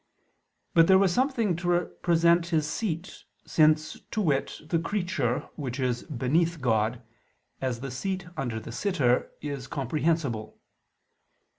But there was something to represent his seat; since, to wit, the creature, which is beneath God, as the seat under the sitter, is comprehensible.